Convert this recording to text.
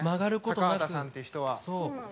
高畑さんっていう人は。